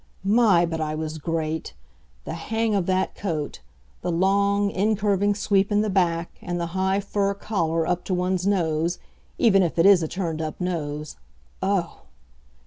My, but I was great! The hang of that coat, the long, incurving sweep in the back, and the high fur collar up to one's nose even if it is a turned up nose oh!